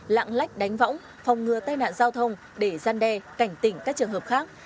lạng lách đánh võng phòng ngừa tai nạn giao thông để gian đe cảnh tỉnh các trường hợp khác